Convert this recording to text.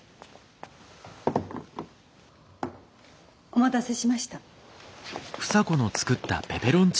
お待たせしました。